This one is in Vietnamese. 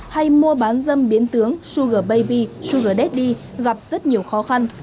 hay mua bán dâm biến tướng sugar baby sugar daddy gặp rất nhiều khó khăn